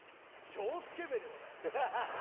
超スケベでございます。